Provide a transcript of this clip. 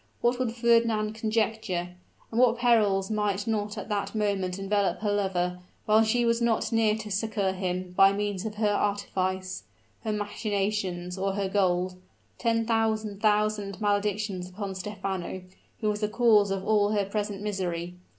what would Fernand conjecture? And what perils might not at that moment envelop her lover, while she was not near to succor him by means of her artifice, her machinations, or her gold. Ten thousand thousand maledictions upon Stephano, who was the cause of all her present misery!